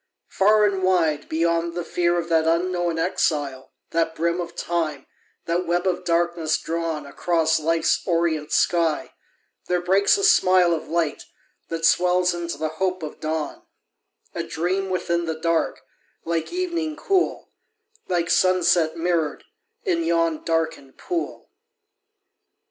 Far and wide, Beyond the fear of that unknown exile, That brim of Time, that web of darkness drawn Across Life's orient sky, there breaks a smile Of light that swells into the hope of dawn : A dream within the dark, like evening cool, Like sunset mirror'd in yon darken'd pool.